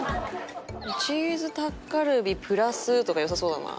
チーズタッカルビプラスとか良さそうだな。